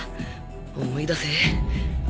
思い出せ